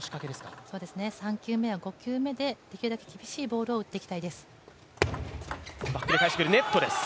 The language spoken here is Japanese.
３球目や５球目でできるだけ厳しいボールを打っていきたいです。